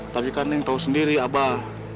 tapi kan neng tahu sendiri abah